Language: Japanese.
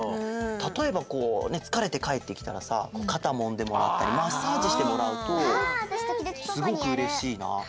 たとえばこうねつかれてかえってきたらさかたもんでもらったりマッサージしてもらうとすごくうれしいな。